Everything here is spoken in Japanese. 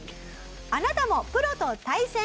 あなたもプロと対戦！